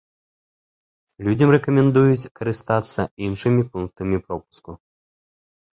Людзям рэкамендуюць карыстацца іншымі пунктамі пропуску.